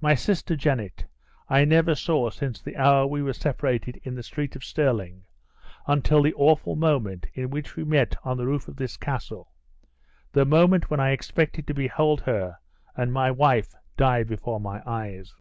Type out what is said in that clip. My sister Janet I never saw since the hour we were separated in the street of Stirling until the awful moment in which we met on the roof of this castle the moment when I expected to behold her and my wife die before my eyes!"